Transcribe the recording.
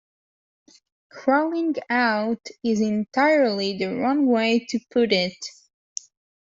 'Crawling out' is entirely the wrong way to put it.